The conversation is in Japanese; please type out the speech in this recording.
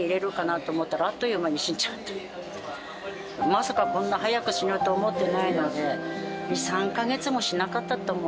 まさかこんな早く死ぬと思ってないので２３カ月もしなかったと思うな。